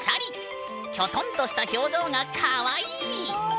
きょとんとした表情がかわいい！